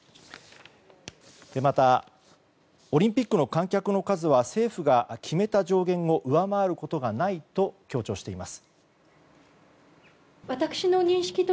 また、オリンピックの観客の数は政府が決めた上限を上回ることがないと強調しています。